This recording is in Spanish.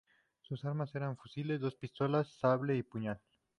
Sus armas eran el fusil, dos pistolas, sable y puñal.